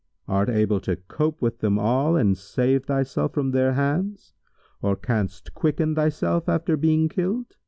Art able to cope with them all and save thyself from their hands or canst quicken thyself after being killed?